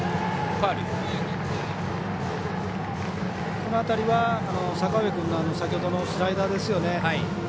この辺りは、阪上君の先ほどの縦のスライダーですよね。